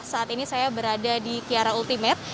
saat ini saya berada di kiara ultimate